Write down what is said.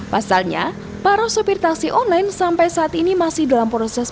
pasalnya para sopir taksi online sampai saat ini masih dalam proses